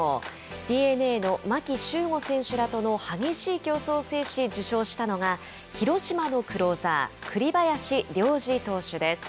ＤｅＮＡの牧秀悟選手らとの激しい競争を制し受賞したのが広島のクローザー栗林良吏投手です。